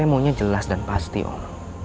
saya maunya jelas dan pasti om